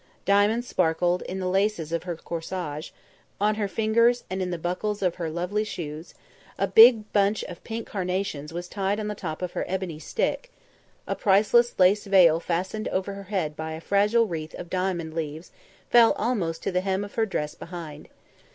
Diamonds sparkled in the laces of her corsage, on her fingers and in the buckles of her lovely shoes; a big bunch of pink carnations was tied on the top of her ebony stick; a priceless lace veil fastened over her head by a fragile wreath of diamond leaves fell almost to the hem of her dress behind.